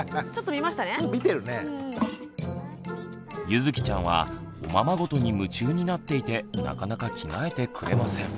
ゆづきちゃんはおままごとに夢中になっていてなかなか着替えてくれません。